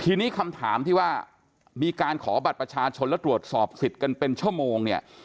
ทีนี้คำถามที่ว่ามีการขอบัตรประชาชนแล้วตรวจสอบสิทธิ์กันเป็นชั่วโมงเนี่ย